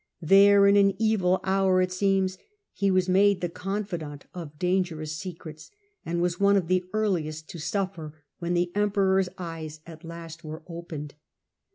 There in an evil hour, it seems, he was made the confidant of dangerous secrets, and was one of the earliest to suffer when the Emperor\s eyes at last were opened.